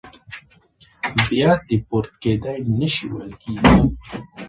بیا دیپورت کېدای نه شي ویل کېږي.